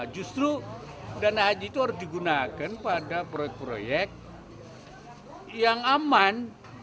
justru dana haji itu harus digunakan pada proyek proyek yang aman